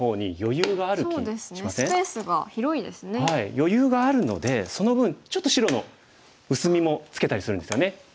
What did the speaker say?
余裕があるのでその分ちょっと白の薄みもつけたりするんですよね。